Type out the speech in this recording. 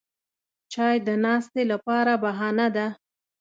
چای د ناستې لپاره بهانه ده